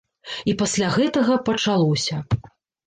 І пасля гэтага пачалося.